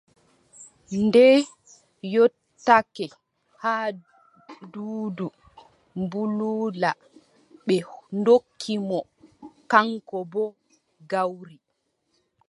Nde yottake haa Duudu Budula, ɓe ndokki mo kaŋko boo gawri.